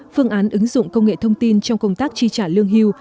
phương án ứng dụng công nghệ thông tin trong công tác chi trả lương hưu